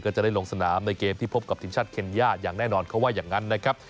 ก็จะได้ลงสนามในเกมที่พบกับทีมชาติเคนย่าอย่างแน่นอนเขาว่าอย่างนั้นนะครับ